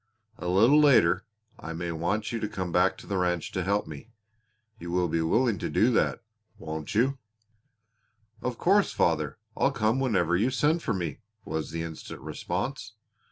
A little later I may want you to come back to the ranch to help me. You will be willing to do that, won't you?" "Of course, father, I'll come whenever you send for me!" was the instant response.